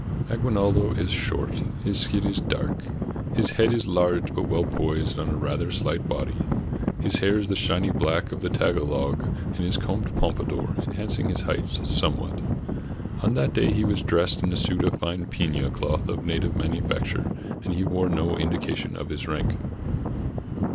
Aguinaldo is short. His skin is dark. His head is large, but weU posed on a rather slight body. His hair is the shiny black of the Tagalog, and is combed pompa dour, enhancing his height somewhat. On that day he was dressed in a suit of fine pina cloth of native manu facture, and he wore no indication of his rank.